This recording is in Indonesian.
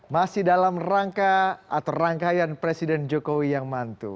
masih dalam rangka atau rangkaian presiden jokowi yang mantu